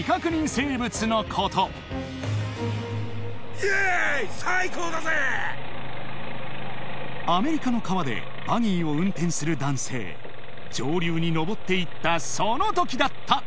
生物のことアメリカの川でバギーを運転する男性上流に上っていったその時だった！